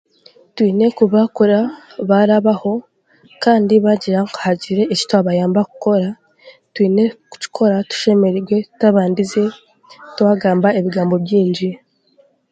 Twine okubaakura baarabaho kandi tbaagire ngu hagire eki twabayamba kukora twine kukikora tushemereire tutabandize twagamba ebigambo bingi